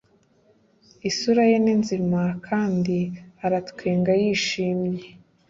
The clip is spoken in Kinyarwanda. Isura ye ni nzima kandi aratwenga yishimye